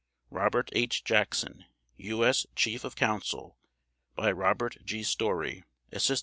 ROBERT H. JACKSON U. S. Chief of Counsel by /s/ ROBERT G. STOREY Asst.